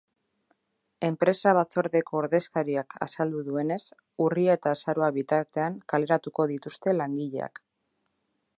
Enpresa batzordeko ordezkariak azaldu duenez, urria eta azaroa bitartean kaleratuko dituzte langileak.